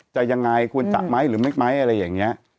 จะยังไงควรจะไหมหรือไม่ไหมอะไรอย่างนี้